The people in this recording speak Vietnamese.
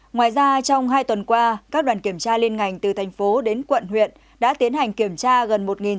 ngoài ra trong hai tuần qua các đoàn kiểm tra liên ngành từ thành phố đến quận huyện đã tiến hành kiểm tra gần một